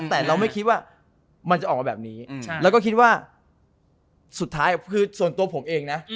แต่เราไม่คิดว่ามันจะออกมาแบบนี้แล้วก็คิดว่าสุดท้ายคือส่วนตัวผมเองนะ